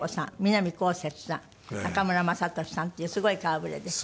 南こうせつさん中村雅俊さんっていうすごい顔ぶれです。